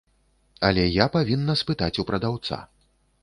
Але я павінна спытаць у прадаўца.